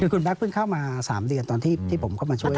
คุณปั๊กเพิ่งเข้ามาสามเดือนตอนที่ผมเข้ามาช่วย